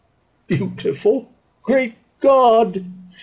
Beautiful! Great God!